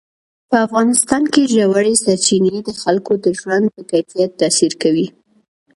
په افغانستان کې ژورې سرچینې د خلکو د ژوند په کیفیت تاثیر کوي.